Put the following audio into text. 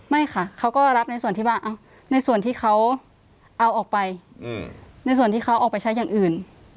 ไม่ค่ะเขาก็รับในส่วนที่ว่าในส่วนที่เขาเอาออกไปในส่วนที่เขาออกไปใช้อย่างอื่น